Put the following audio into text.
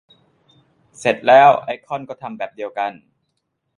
เสร็จแล้ว ไอคอนก็ทำแบบเดียวกัน